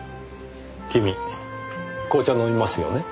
君紅茶飲みますよね？